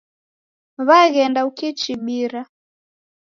Waghenda ukichibira.